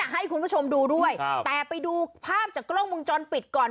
ให้คุณผู้ชมดูด้วยแต่ไปดูภาพจากกล้องมุมจรปิดก่อน